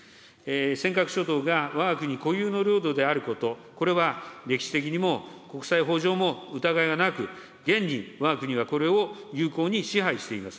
尖閣諸島がわが国固有の領土であること、これは歴史的にも、国際法上も、疑いがなく、現にわが国がこれを有効に支配しています。